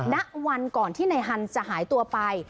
ณวันก่อนที่นายฮันจะหายตัวไป